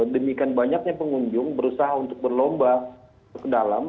demikian banyaknya pengunjung berusaha untuk berlomba ke dalam